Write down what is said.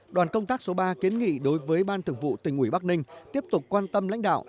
đoàn công tác số ba kiến nghị đối với ban thường vụ tỉnh ủy bắc ninh tiếp tục quan tâm lãnh đạo